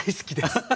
アハハハ。